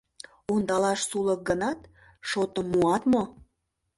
Ондалаш сулык гынат, шотым муат мо?